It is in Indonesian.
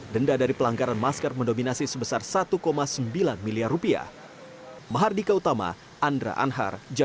denda dari pelanggaran masker mendominasi sebesar satu sembilan miliar rupiah